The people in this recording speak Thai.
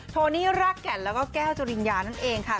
โทนี่รากแก่นแล้วก็แก้วจริญญานั่นเองค่ะ